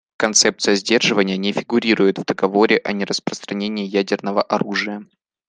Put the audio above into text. Концепция сдерживания не фигурирует в Договоре о нераспространении ядерного оружия.